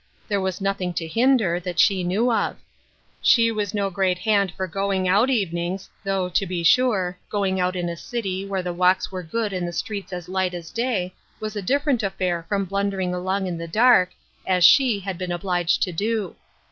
There was nothing to hinder, that she knew of. She was no great hand for going out evenings, though, to be sure, going out in a city, where the walks were good and the streets as light as day, was a different affair from blundering along in the dark, as she had been obliged to do.